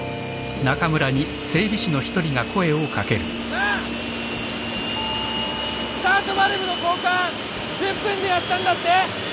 なあスタートバルブの交換１０分でやったんだって？